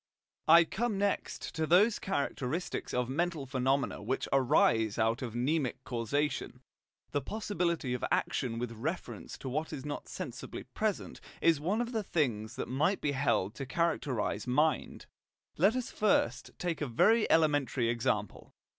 I come next to those characteristics of mental phenomena which arise out of mnemic causation. The possibility of action with reference to what is not sensibly present is one of the things that might be held to characterize mind. Let us take first a very elementary example.